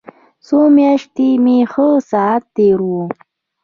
څو مياشتې مې ښه ساعت تېر و.